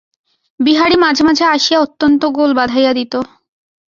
বিহারী মাঝে মাঝে আসিয়া অত্যন্ত গোল বাধাইয়া দিত।